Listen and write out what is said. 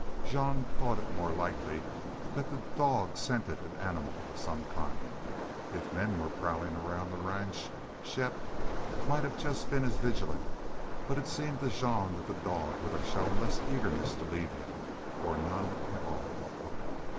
Jean thought it more than likely that the dog scented an animal of some kind. If there were men prowling around the ranch Shepp, might have been just as vigilant, but it seemed to Jean that the dog would have shown less eagerness to leave him, or none at all.